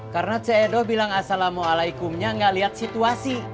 karena c edo bilang assalamualaikumnya nggak lihat situasi